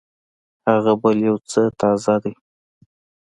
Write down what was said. هغه بل يو څه تازه دی.